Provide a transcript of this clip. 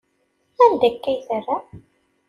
Anda akka i terram?